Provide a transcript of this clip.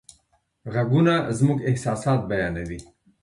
غږونه زموږ احساسات بیانوي.